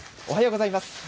おはようございます。